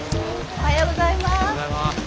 おはようございます。